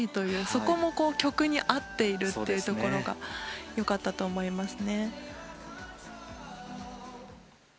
そこも曲に合っているところが良かったと思いますね。